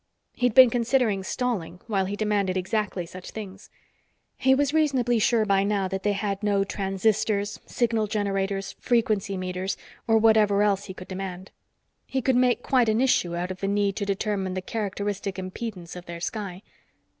He'd been considering stalling while he demanded exactly such things. He was reasonably sure by now that they had no transistors, signal generators, frequency meters or whatever else he could demand. He could make quite an issue out of the need to determine the characteristic impedance of their sky.